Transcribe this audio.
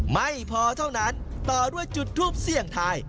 ไม่พอเท่านั้นต่อด้วยจุดทูปเสี่ยงทาย